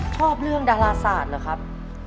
ชอบเรื่องดาราศาสตร์เหรอครับ